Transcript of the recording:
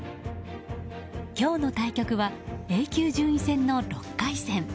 今日の対局はＡ級順位戦の６回戦。